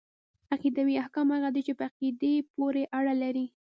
عقيدوي احکام هغه دي چي په عقيدې پوري اړه لري .